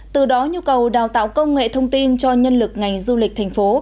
từ đó nhu cầu đào tạo công nghệ thông tin cho nhân lực ngành du lịch thành phố